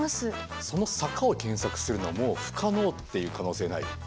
その坂を検索するのはもう不可能っていう可能性ない？